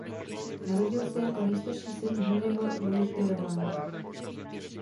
Narodil se jako nejstarší syn Henriho Louise de Rohan.